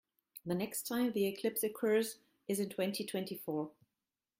The next time the eclipse occurs is in twenty-twenty-four.